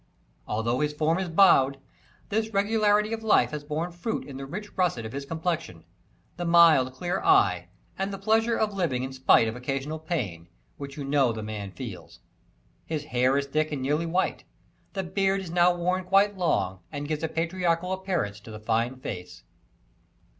Although his form is bowed, this regularity of life has borne fruit in the rich russet of his complexion, the mild, clear eye, and the pleasure in living in spite of occasional pain, which you know the man feels. His hair is thick and nearly white; the beard is now worn quite long and gives a patriarchal appearance to the fine face.